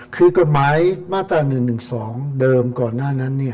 คือกฎหมายมาตรา๑๑๒เดิมก่อนหน้านั้น